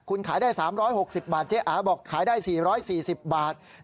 คุณขายได้๓๖๐บาทเจ๊อาบอกขายได้๔๔๐บาท